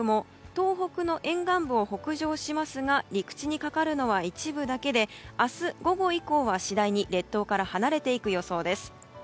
東北の沿岸部を北上しますが陸地にかかるのは一部だけで明日午後以降は次第に列島から離れていく予想です。